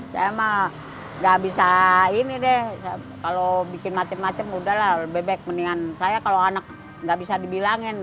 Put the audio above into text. saya mah gak bisa ini deh kalau bikin macem macem udah lah lebih baik mendingan saya kalau anak nggak bisa dibilangin